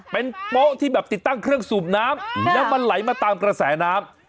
เป็นโป๊ะที่แบบติดตั้งเครื่องสูบน้ำแล้วมันไหลมาตามกระแสน้ำ